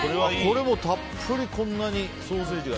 たっぷりこんなにソーセージが。